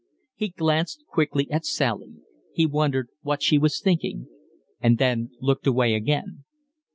He glanced quickly at Sally, he wondered what she was thinking, and then looked away again.